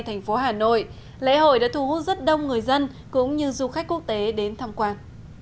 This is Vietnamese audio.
thành phố hà nội lễ hội đã thu hút rất đông người dân cũng như du khách quốc tế đến tham quan